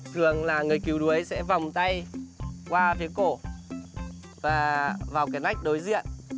thường là người cứu đuối sẽ vòng tay qua phía cổ và vào cái nách đối diện